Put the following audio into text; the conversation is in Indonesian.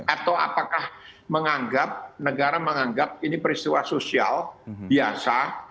atau apakah menganggap negara menganggap ini peristiwa sosial biasa